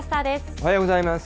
おはようございます。